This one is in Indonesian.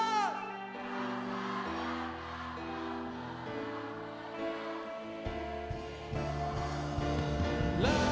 masalah kata kau telah menyebihkan ku